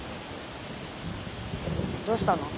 どうしたの？